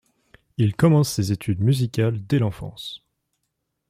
Il commence ses études musicales dès l'enfance.